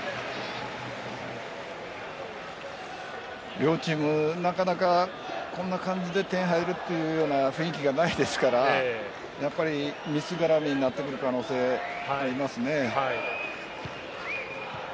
両チーム、なかなかこんな感じで点が入るというような雰囲気がないですからやっぱりミス絡みになってくる可能性ありますね。